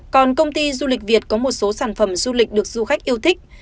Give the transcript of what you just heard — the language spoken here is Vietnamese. còn công ty du lịch việt có một số sản phẩm du lịch được du khách yêu thích